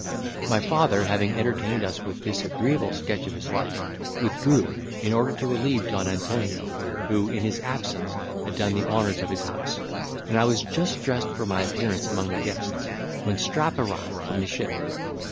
My father, having entertained us with this agreeable sketch of his life, withdrew, in order to relieve Don Antonio, who, in his absence, had done the honours of his house; and I was just dressed for my appearance among the guests, when Strap arrived from the ship.